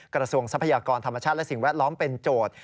ทรัพยากรธรรมชาติและสิ่งแวดล้อมเป็นโจทย์